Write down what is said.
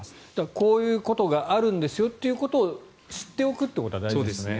こういうことがあるんですよということを知っておくということが大事ですね。